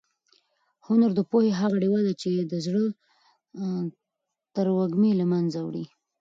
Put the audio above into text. هنر د پوهې هغه ډېوه ده چې د زړه تروږمۍ له منځه وړي.